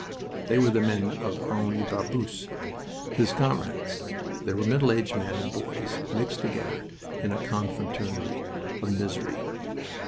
They were the men of Henri Barbusse his comrades. There were middle aged men and boys mixed together in a confraternity of misery.